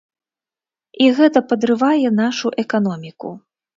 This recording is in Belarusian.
І гэта падрывае нашу эканоміку.